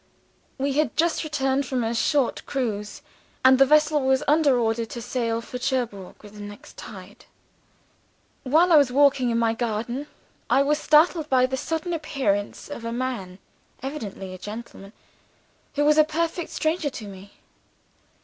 We had just returned from a short cruise, and the vessel was under orders to sail for Cherbourg with the next tide. "'While I was walking in my garden, I was startled by the sudden appearance Of a man (evidently a gentleman) who was a perfect stranger to me.